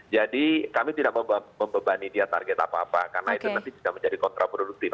jadi kami tidak membebani dia target apa apa karena itu nanti juga menjadi kontraproduktif